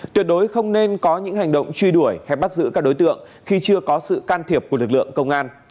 tuyệt đối không nên có những hành động truy đuổi hay bắt giữ các đối tượng khi chưa có sự can thiệp của lực lượng công an